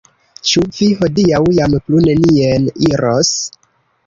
Ĉu vi hodiaŭ jam plu nenien iros?